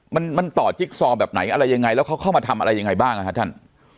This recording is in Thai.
มันมันต่อจิ๊กซอแบบไหนอะไรยังไงแล้วเขาเข้ามาทำอะไรยังไงบ้างนะฮะท่าน